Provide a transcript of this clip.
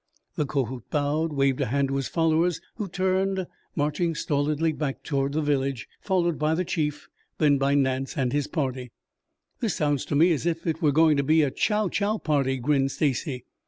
The Kohot bowed, waved a hand to his followers, who turned, marching stolidly back toward the village, followed by the chief, then by Nance and his party. "This sounds to me as if it were going to be a chow chow party," grinned Stacy.